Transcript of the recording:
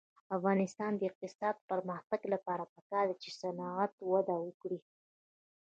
د افغانستان د اقتصادي پرمختګ لپاره پکار ده چې صنعت وده وکړي.